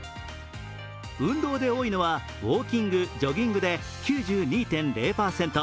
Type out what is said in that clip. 運動で多いのはウォーキングジョギングで９２．０％。